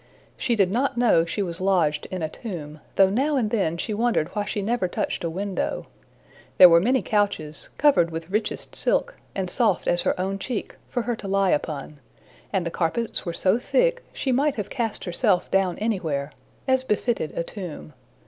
She did not know she was lodged in a tomb, though now and then she wondered why she never touched a window. There were many couches, covered with richest silk, and soft as her own cheek, for her to lie upon; and the carpets were so thick, she might have cast herself down anywhere as befitted a tomb.